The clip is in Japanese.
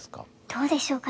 どうでしょうか